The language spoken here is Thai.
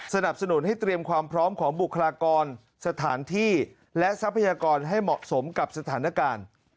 สนับสนุนให้เตรียมความพร้อมของบุคลากรสถานที่และทรัพยากรให้เหมาะสมกับสถานการณ์